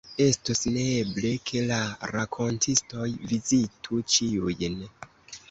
Estus neeble, ke la rakontistoj vizitu ĉiujn.